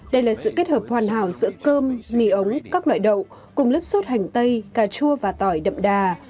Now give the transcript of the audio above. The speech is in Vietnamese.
đây là sự kết hợp hoàn hảo giữa cơm mì ống các loại đậu cùng lớp sốt hành tây cà chua và tỏi đậm đà